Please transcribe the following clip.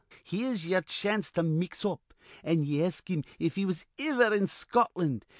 Here's yer chance to mix up, an' ye ask him if he was iver in Scotland.